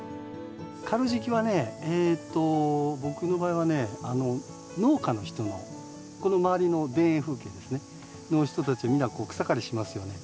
刈る時期はねえと僕の場合はねあの農家の人のこの周りの田園風景ですねの人たちみんな草刈りしますよね。